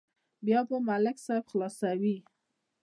بیا به ملک صاحب خلاصوي.